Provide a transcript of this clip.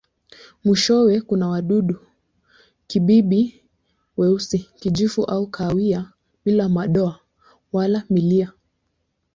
Mwishowe kuna wadudu-kibibi weusi, kijivu au kahawia bila madoa wala milia.